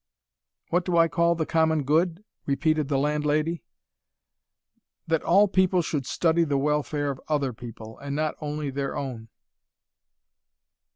"What do I call the common good?" repeated the landlady. "That all people should study the welfare of other people, and not only their own."